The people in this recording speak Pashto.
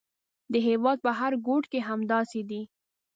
د هېواد په هر ګوټ کې همداسې دي.